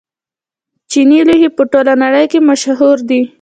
چیني لوښي په ټوله نړۍ کې مشهور دي.